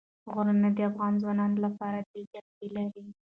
غرونه د افغان ځوانانو لپاره دلچسپي لري.